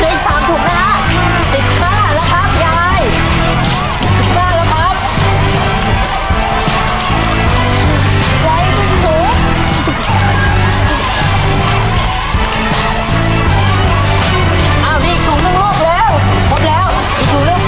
อ้าวอีกถูกเรื่องโลกแล้วพร้อมแล้วอีกถูกเรื่องไซด์ล่อยไซด์ล่อยวางนี่พาเรื่องตัวเนื่อง